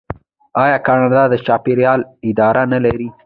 آیا کاناډا د چاپیریال اداره نلري؟